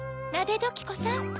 ナデドキコさん。